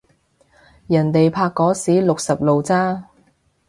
人哋拍嗰時六十路咋